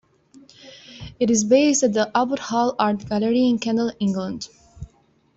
It is based at the Abbot Hall Art Gallery in Kendal, England.